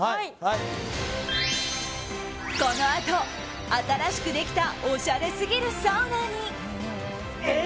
このあと、新しくできたおしゃれすぎるサウナに。